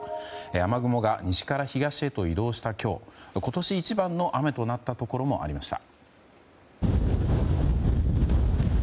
雨雲が西から東へと移動した今日今年一番の雨となったところもありました。